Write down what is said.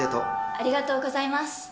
ありがとうございます。